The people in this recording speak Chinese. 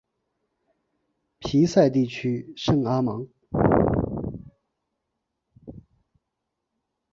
皮赛地区圣阿芒。